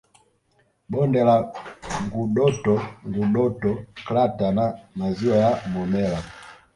Bonde la Ngurdoto Ngurdoto Crater na maziwa ya Momella